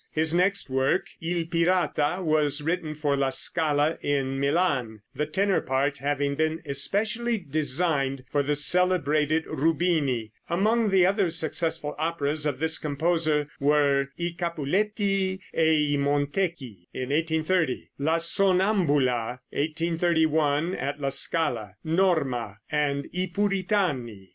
His next work, "Il Pirata," was written for La Scala in Milan, the tenor part having been especially designed for the celebrated Rubini. Among the other successful operas of this composer were "I Capuletti e i Montecchi" (in 1830), "La Sonnambula" (1831, at La Scala), "Norma" and "I Puritani."